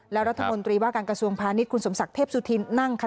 แล้วรัฐมนตริวรรษกันกระทรวงพานิสคุณสมศักดิ์เทพสุทิน